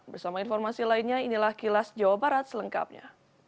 bersama informasi lainnya inilah kilas jawa barat selengkapnya